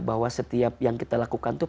bahwa setiap yang kita lakukan itu